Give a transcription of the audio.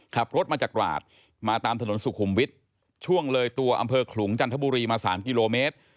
ขับรถมาจากราชมาตามถนนสุขุมวิทย์ช่วงเลยตัวอำเภอขลุงจันทบุรีมา๓กิโลเมตร